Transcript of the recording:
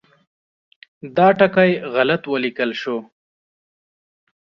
دا ټکی غلط ولیکل شو.